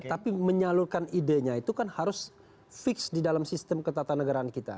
tapi menyalurkan idenya itu kan harus fix di dalam sistem ketatanegaraan kita